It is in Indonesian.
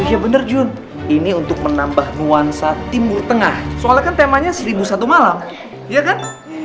iya bener jun ini untuk menambah nuansa timur tengah soalnya kan temanya seribu satu malam ya kan